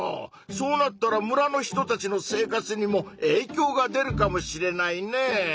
そうなったら村の人たちの生活にもえいきょうが出るかもしれないねぇ。